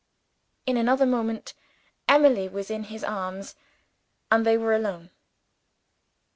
In another moment, Emily was in his arms and they were alone.